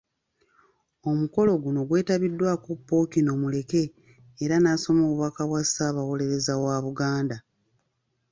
Omukolo guno gwetabiddwako Ppookino Muleke era n’asoma obubaka bwa Ssaabawolereza wa Buganda.